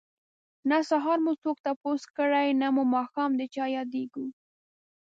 نه سهار مو څوک تپوس کړي نه ماښام د چا ياديږو